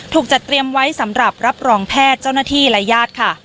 จัดเตรียมไว้สำหรับรับรองแพทย์เจ้าหน้าที่และญาติค่ะ